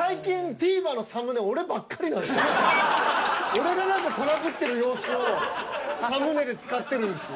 俺が何かトラブってる様子をサムネで使ってるんすよ。